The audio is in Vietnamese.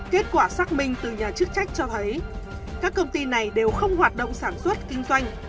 kết quả xác minh từ nhà chức trách cho thấy các công ty này đều không hoạt động sản xuất kinh doanh